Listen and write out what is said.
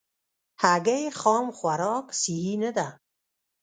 هګۍ خام خوراک صحي نه ده.